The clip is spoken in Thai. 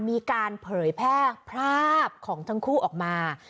มีการเผยแพร่ภาพของทั้งคู่ออกมา